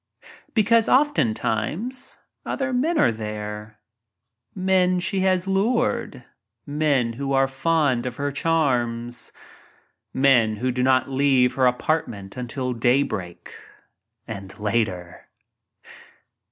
Because oftentimes other men are there — men she has lured j men who am fond of her charms ; men who do not leave her apartments until daybreak — and later.